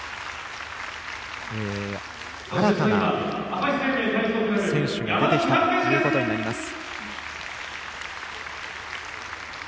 新たな選手が出てきたということになります。